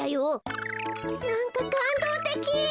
なんかかんどうてき！